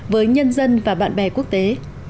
với nhân dân và bạn bè quốc tế